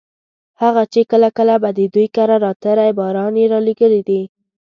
هغه چې کله کله به د دوی کره راته ريباران یې رالېږلي دي.